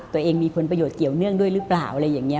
ตัวเองมีผลประโยชน์เกี่ยวเนื่องด้วยหรือเปล่าอะไรอย่างนี้